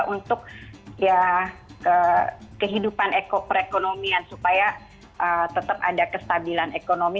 untuk kehidupan perekonomian supaya tetap ada kestabilan ekonomi